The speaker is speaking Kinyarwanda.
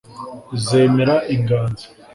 zemera inganzo